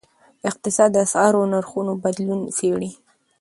اقتصاد د اسعارو نرخونو بدلون څیړي.